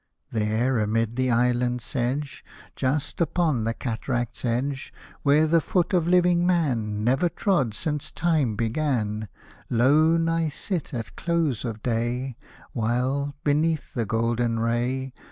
There, amid the island sedge, Just upon the cataract's edge, W^here the foot of living man Never trod since time began, Lone I sit, at close of day, While, beneath the golden ray.